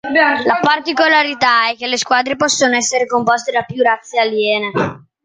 La particolarità è che le squadre possono essere composte da più razze aliene.